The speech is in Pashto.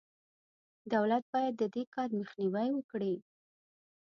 دولت باید د دې کار مخنیوی وکړي.